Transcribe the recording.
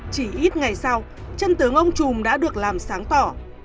chỉ ít ngày sau chân tướng ông trùm đã được làm sáng tỏ